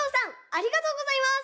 ありがとうございます。